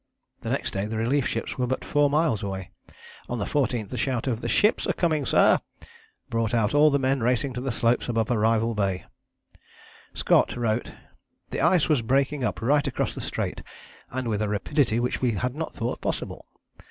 The next day the relief ships were but four miles away. On the 14th a shout of "The ships are coming, sir!" brought out all the men racing to the slopes above Arrival Bay. Scott wrote: "The ice was breaking up right across the Strait, and with a rapidity which we had not thought possible.